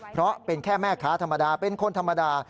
เพราะเป็นแค่แม่ค้าธรรมดาเป็นคนธรรมดา